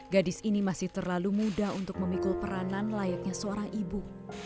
gadis ini masih terlalu mudah untuk memikul peranan layaknya seorang ibu